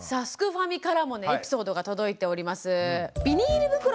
ファミからもねエピソードが届いております。